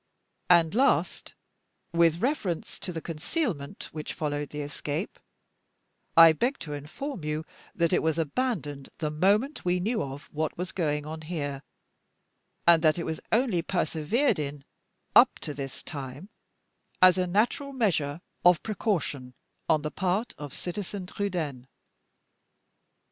And, last, with reference to the concealment which followed the escape, I beg to inform you that it was abandoned the moment we knew of what was going on here; and that it was only persevered in up to this time, as a natural measure of precaution on the part of Citizen Trudaine.